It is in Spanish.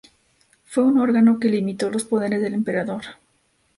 Fue un órgano que limitó los poderes del emperador.